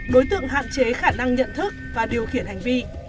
đối tượng hạn chế khả năng nhận thức và điều khiển hành vi